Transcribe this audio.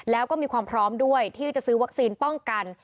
แล้วก็มีความพร้อมด้วยที่จะซื้อวัคซีนป้องกัน